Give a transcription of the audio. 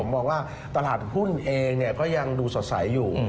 มองว่าตลาดหุ้นเองก็ยังดูสดใสอยู่